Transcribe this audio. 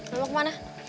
lo mau kemana